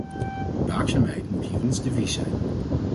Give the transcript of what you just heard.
Waakzaamheid moet hier ons devies zijn.